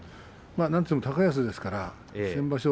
なんといっても高安ですから先場所